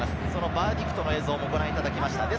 そのバーディクトの表示をご覧いただきました。